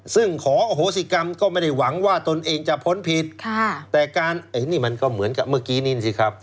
ซึ่งขออโหสิกรรมก็ไม่ได้หวังว่าตนเองจะพ้นผิดค่ะแต่การไอ้นี่มันก็เหมือนกับเมื่อกี้นี่สิครับ